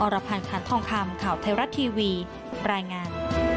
รพันธ์คันทองคำข่าวไทยรัฐทีวีรายงาน